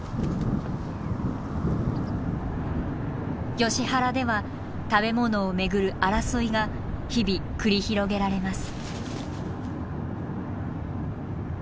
ヨシ原では食べ物をめぐる争いが日々繰り広げられます。